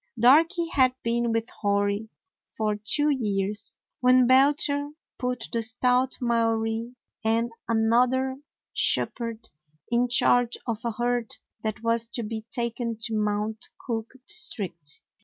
Darky had been with Hori for two years when Belcher put the stout Maori and another 114 A NEW ZEALAND DOG shepherd in charge of a herd that was to be taken to Mount Cook District.